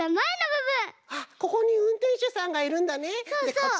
あっここにうんてんしゅさんがいるんだね。